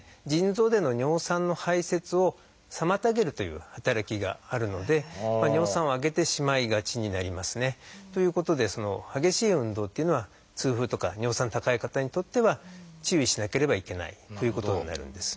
腎臓での尿酸の排せつを妨げるという働きがあるので尿酸を上げてしまいがちになりますね。ということで激しい運動っていうのは痛風とか尿酸高い方にとっては注意しなければいけないということになるんです。